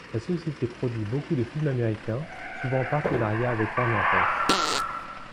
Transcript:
La société produit beaucoup de films américains, souvent en partenariat avec Warner Bros.